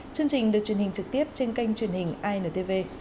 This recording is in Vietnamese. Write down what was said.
chương trình được truyền hình trực tiếp trên kênh truyền hình intv